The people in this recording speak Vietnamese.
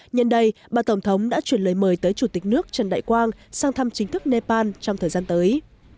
nhân đây bà tổng thống đã chuyển lời mời tới chủ tịch nước trần đại quang sang thăm chính thức nepal trong thời gian tới